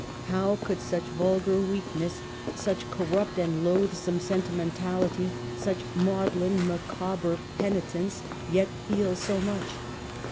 How could such vulgar weakness, such corrupt and loathsome sentimentality, such maudlin Micaw ber penitence, yet feel so much